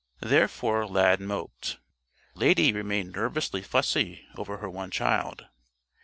Therefore Lad moped. Lady remained nervously fussy over her one child.